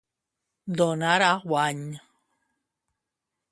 Donar a guany.